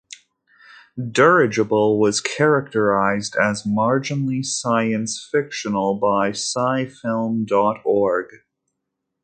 "Dirigible" was characterized as "marginally science fictional" by scifilm dot org.